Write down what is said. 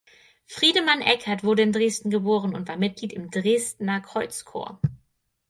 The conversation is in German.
Friedemann Eckert wurde in Dresden geboren und war Mitglied im Dresdner Kreuzchor.